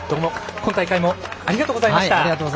今大会もありがとうございました。